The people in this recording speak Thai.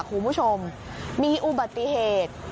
คุณผู้ชมมีอุบัติเหตุ